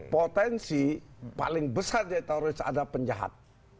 potensi paling besar dari teroris ada penjahat